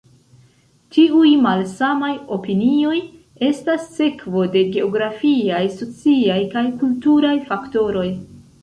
Tiuj malsamaj opinioj estas sekvo de geografiaj, sociaj kaj kulturaj faktoroj.